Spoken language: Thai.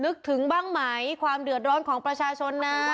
นึกถึงบ้างไหมความเดือดร้อนของประชาชนนะ